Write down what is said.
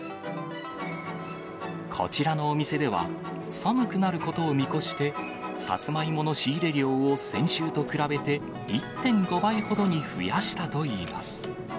こちらのお店では、寒くなることを見越して、サツマイモの仕入れ量を、先週と比べて１．５倍ほどに増やしたといいます。